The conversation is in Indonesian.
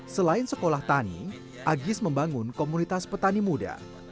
selain sekolah tani agis membangun komunitas petani muda